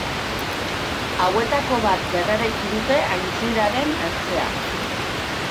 Hauetako bat berreraiki dute aintziraren ertzean.